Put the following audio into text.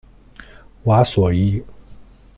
瓦索伊。